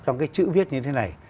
trong cái chữ viết như thế này